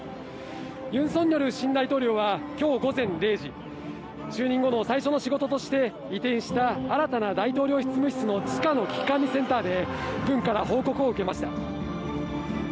ユン・ソンニョル新大統領は今日午前０時、就任後の最初の仕事として移転した新たな大統領執務室の地下の危機管理センターで軍から報告を受けました。